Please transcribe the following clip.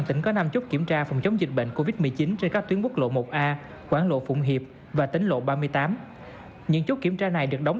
tỉnh bạc liêu quán lộ một a quán lộ phụng hiệp và tỉnh lộ ba mươi tám những chốt kiểm tra này được đóng